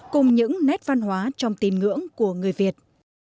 cùng những nét văn hóa trong tín ngưỡng của người việt